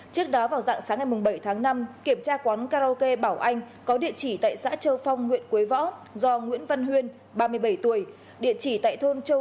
trước đó vào dạng sáng ngày bảy tháng năm kiểm tra quán karaoke bảo anh có địa chỉ tại xã châu phong huyện quế võ do nguyễn văn huyên ba mươi bảy tuổi